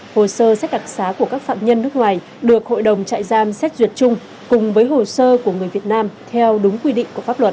hồ sơ xét đặc xá của các phạm nhân nước ngoài được hội đồng trại giam xét duyệt chung cùng với hồ sơ của người việt nam theo đúng quy định của pháp luật